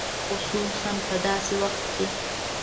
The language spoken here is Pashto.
خصوصاً په داسې وخت کې.